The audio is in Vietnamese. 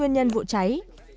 nhân vụ cháy